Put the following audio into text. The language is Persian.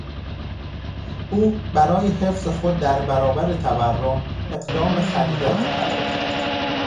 او برای حفظ خود در برابر تورم، اقدام به خریدن طلا کرد.